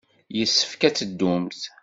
Yessefk ad teddumt.